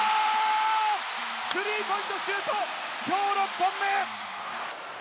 スリーポイントシュート今日６本目！